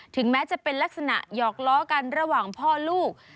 แม้จะเป็นลักษณะหยอกล้อกันระหว่างพ่อลูก